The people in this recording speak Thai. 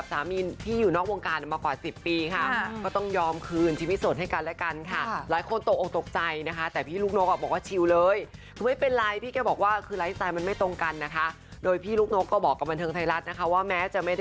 แต่ทั้งหมดทั้งหมวดเราพูดถึงพี่ลูกนกตันเองค่ะ